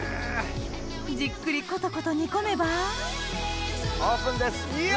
じっくりコトコト煮込めばオープンですうわ！